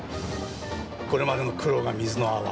これまでの苦労が水の泡。